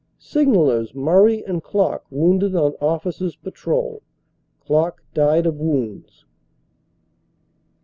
Signallers Murray and Klock wounded on Officer s Patrol ; Klock died of wounds.